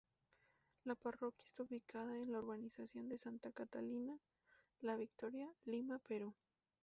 La parroquia está ubicada en la urbanización de Santa Catalina, La Victoria, Lima, Perú.